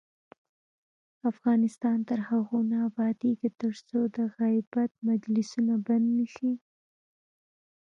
افغانستان تر هغو نه ابادیږي، ترڅو د غیبت مجلسونه بند نشي.